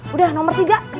udah nomor tiga